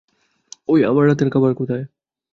ওই, আমার রাতের খাবার কোথায়?